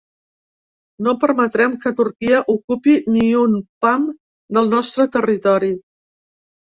No permetrem que Turquia ocupi ni un pam del nostre territori.